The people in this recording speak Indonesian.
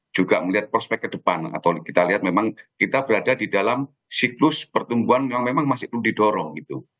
juga melihat prospek ke depan atau kita lihat memang kita berada di dalam siklus pertumbuhan yang memang masih belum didorong gitu